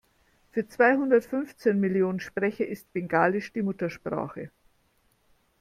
Für zweihundertfünfzehn Millionen Sprecher ist Bengalisch die Muttersprache.